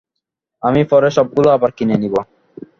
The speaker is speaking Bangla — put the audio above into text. আমি পরে সবগুলো আবার কিনে নিবো।